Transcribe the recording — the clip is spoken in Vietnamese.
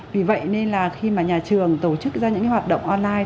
vì vậy nên là khi mà nhà trường tổ chức ra những hoạt động online